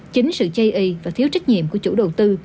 chính sự chây y và thiếu trách nhiệm của chủ đầu tư